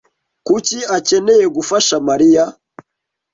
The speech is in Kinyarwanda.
Kuki akeneye gufasha Mariya?